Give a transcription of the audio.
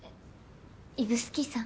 指宿さん？